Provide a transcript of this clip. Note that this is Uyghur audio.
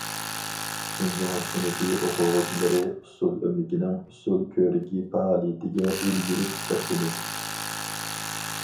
شىنجاڭ سىنىپى ئوقۇغۇچىلىرى ئۇسسۇل ئۆمىكىنىڭ ئۇسسۇل كۆرىكى پائالىيىتىگە ئۈلگۈرۈپ كەپتىمىز.